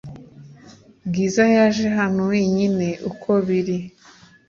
Bwiza yaje hano wenyine uko biri